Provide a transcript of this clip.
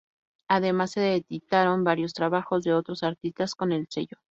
Además se editaron varios trabajos de otros artistas con el sello.